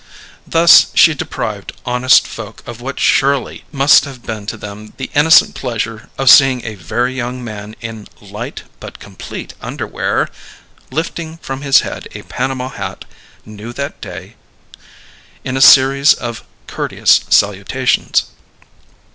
Thus she deprived honest folk of what surely must have been to them the innocent pleasure of seeing a very young man in light but complete underwear, lifting from his head a Panama hat, new that day, in a series of courteous salutations.